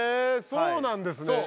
そうなんですね。